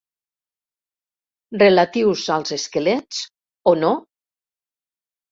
Relatiu als esquelets, o no?